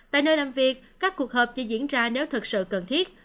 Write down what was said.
tại nơi làm việc các cuộc họp chỉ diễn ra nếu thực sự cần thiết